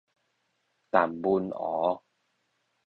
淡文湖